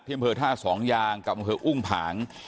พี่เกมเผย์ท่าสองยางกับบรมเผย์อุ้งผาง